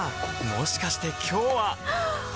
もしかして今日ははっ！